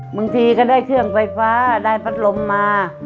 บางทีก็ได้เครื่องไฟฟ้าได้พัดลมมา